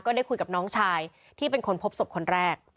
ได้คุยกับน้องชายที่เป็นคนพบศพคนแรก